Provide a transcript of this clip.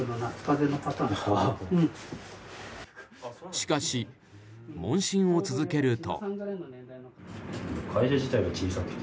しかし、問診を続けると。